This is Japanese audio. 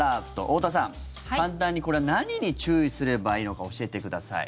太田さん、簡単にこれは何に注意すればいいのか教えてください。